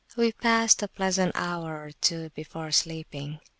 We passed a pleasant hour or two before sleeping.